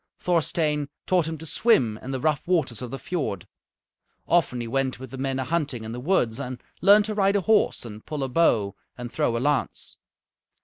Thorstein taught him to swim in the rough waters of the fiord. Often he went with the men a hunting in the woods and learned to ride a horse and pull a bow and throw a lance.